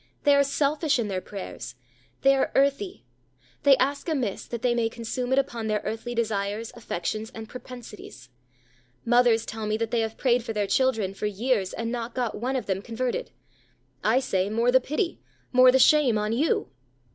They ARE SELFISH IN THEIR PRAYERS; they are earthy; they ask amiss, that they may consume it upon their earthly desires, affections, and propensities. Mothers tell me that they have prayed for their children for years, and not got one of them converted. I say, "More the pity; more the shame on you."